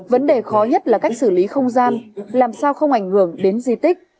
vấn đề khó nhất là cách xử lý không gian làm sao không ảnh hưởng đến di tích